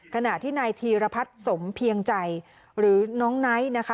ขณะที่นายธีรพัฒน์สมเพียงใจหรือน้องไนท์นะคะ